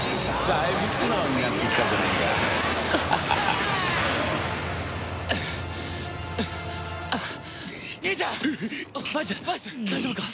大丈夫か？